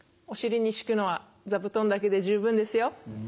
お尻に敷くのは座布団だけで十分ですよ。